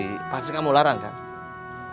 ini juga bukan masalah tentang si edward